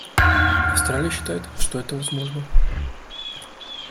Австралия считает, что это возможно.